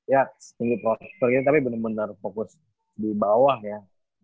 ya tinggi prosper gitu tapi bener bener fokus di bawah ya